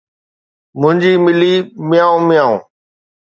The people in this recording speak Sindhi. منهنجي ٻلي، ميوو ميوو.